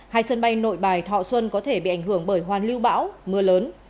hai sân bay nội bài thọ xuân có thể bị ảnh hưởng bởi hoàn lưu bão mưa lớn